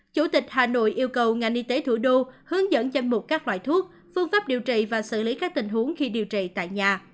chủ tịch hà nội yêu cầu ngành y tế thủ đô hướng dẫn danh mục các loại thuốc phương pháp điều trị và xử lý các tình huống khi điều trị tại nhà